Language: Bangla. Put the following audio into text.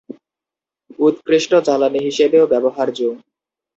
উৎকৃষ্ট জ্বালানি হিসেবেও ব্যবহার্য।